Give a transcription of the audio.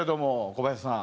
小林さん。